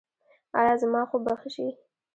ایا زما خوب به ښه شي؟